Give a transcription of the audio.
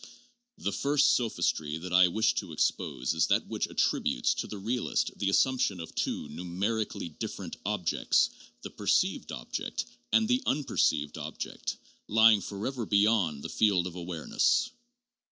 The first sophistry that I wish to expose is that which attributes to the realist the assumption of two numerically different objects, the perceived object, and the unperceivable object lying forever beyond the field of awareness.